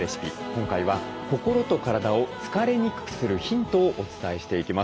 今回は心と体を疲れにくくするヒントをお伝えしていきます。